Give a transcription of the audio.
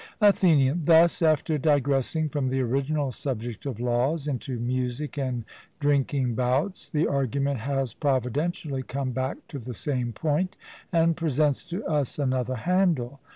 ATHENIAN: Thus, after digressing from the original subject of laws into music and drinking bouts, the argument has, providentially, come back to the same point, and presents to us another handle.